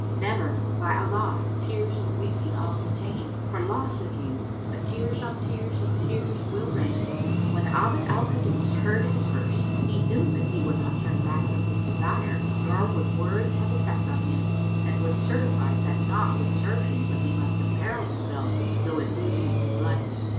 Never, by Allah tears and weeping I'll contain * For loss of you, but tears on tears and tears will rain." When Abd al Kaddus heard his verse he knew that he would not turn back from his desire nor would words have effect on him, and was certified that naught would serve him but he must imperil himself, though it lose him his life.